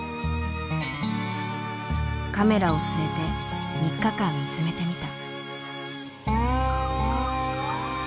カメラを据えて３日間見つめてみた。